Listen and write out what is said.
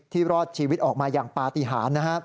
รอดชีวิตออกมาอย่างปฏิหาร